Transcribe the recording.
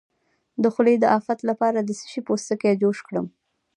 د خولې د افت لپاره د څه شي پوستکی جوش کړم؟